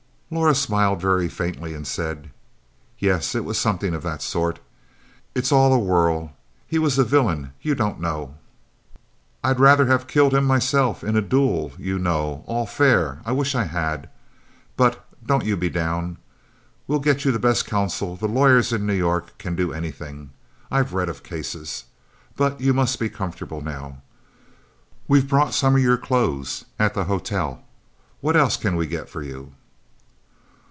Laura smiled very faintly and said, "Yes, it was something of that sort. It's all a whirl. He was a villain; you don't know." "I'd rather have killed him myself, in a duel you know, all fair. I wish I had. But don't you be down. We'll get you the best counsel, the lawyers in New York can do anything; I've read of cases. But you must be comfortable now. We've brought some of your clothes, at the hotel. What else, can we get for you?"